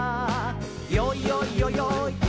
「よいよいよよい